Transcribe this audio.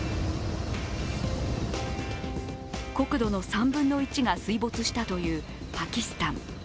国土の３分の１が水没したというパキスタン。